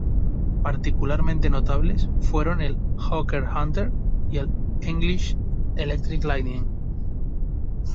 Particularmente notables fueron el Hawker Hunter y el English Electric Lightning.